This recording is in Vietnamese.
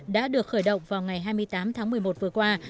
đã được khởi động vào ngày hai mươi tám tháng một mươi một vừa qua